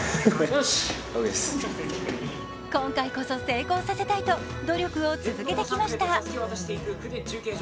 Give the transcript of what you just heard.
今回こそ成功させたいと努力を続けてきました。